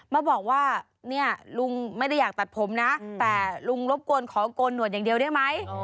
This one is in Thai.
มาบอกว่าเนี่ยลุงไม่ได้อยากตัดผมนะแต่ลุงรบกวนขอโกนหนวดอย่างเดียวได้ไหม